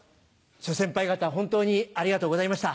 諸先輩方本当にありがとうございました。